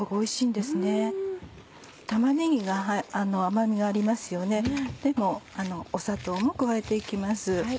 でも砂糖も加えて行きます。